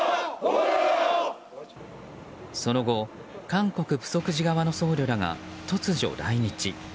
その後、韓国プソク寺側の僧侶らが突如、来日。